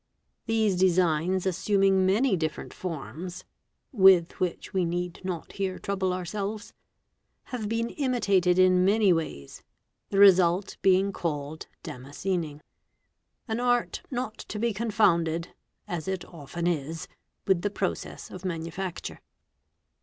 These designs assuming many different forms (with which we need not here trouble ourselves) have been imitated "in many ways, the result being called '' damascening ''—an art not to be confounded, as it often is, with the process of manufacture.